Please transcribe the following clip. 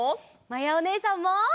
まやおねえさんも！